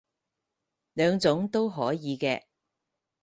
兩種都可以嘅